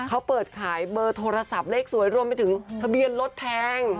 เขาเปิดขายเบอร์โทรศัพท์เลขสวยรวมไปถึงทะเบียนรถแพง